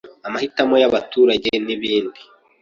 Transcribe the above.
amahitamo y’abaturage n’ibindi